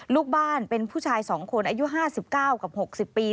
ลูกบ้านเป็นผู้ชาย๒คนอายุ๕๙กับ๖๐ปี